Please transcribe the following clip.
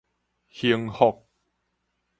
興福